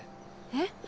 えっ？